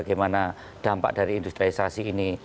bagaimana dampak dari industrialisasi ini